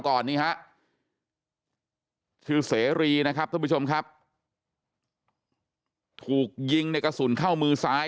ก่อนที่นะครับทุกผู้ชมครับถูกยิงในกระสุนเข้ามือสาย